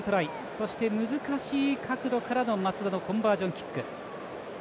そして、難しい角度からの松田のコンバージョンキック。